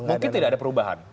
mungkin tidak ada perubahan